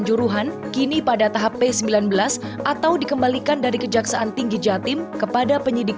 juruhan kini pada tahap p sembilan belas atau dikembalikan dari kejaksaan tinggi jatim kepada penyidik